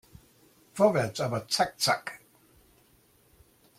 Vorwärts, aber zack zack!